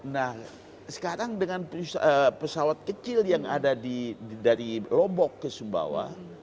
nah sekarang dengan pesawat kecil yang ada dari lombok ke sumbawa